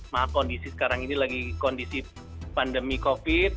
maaf kondisi sekarang ini lagi kondisi pandemi covid